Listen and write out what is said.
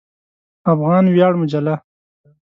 افغان ویاړ مجله